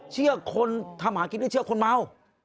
เชื่อคนทำหากินไม่เชื่อคนเมา